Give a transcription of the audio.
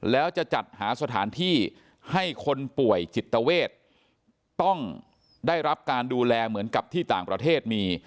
แล้วจะจัดหาสถานที่ให้คนป่วยจิตเวทต้องได้รับการดูแลเหมือนกับที่ต่างประเทศมี